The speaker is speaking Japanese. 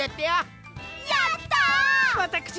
やった！